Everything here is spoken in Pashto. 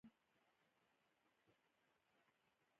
هر کور باید د مینې، زغم، او تفاهم ځای وي.